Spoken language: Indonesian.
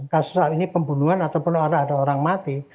kasus ini pembunuhan ataupun ada orang mati